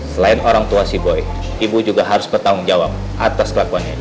selain orang tua si boi ibu juga harus bertanggung jawab atas kelakuannya